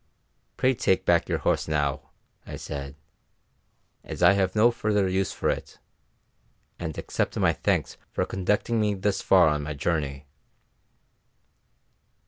"Pray take back your horse now," I said, "as I have no further use for it, and accept my thanks for conducting me thus far on my journey."